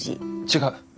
違う。